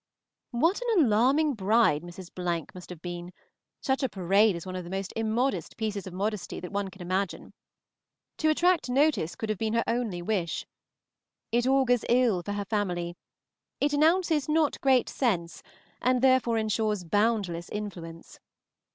What an alarming bride Mrs. must have been; such a parade is one of the most immodest pieces of modesty that one can imagine. To attract notice could have been her only wish. It augurs ill for her family; it announces not great sense, and therefore insures boundless influence.